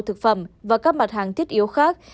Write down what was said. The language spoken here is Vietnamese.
thực phẩm và các mặt hàng thiết yếu khác